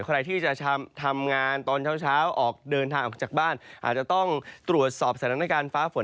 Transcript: ใครที่จะทำงานตอนเช้าออกเดินทางออกจากบ้านอาจจะต้องตรวจสอบสถานการณ์ฟ้าฝน